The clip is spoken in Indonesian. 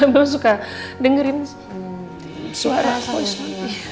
mama suka dengerin suara voice nya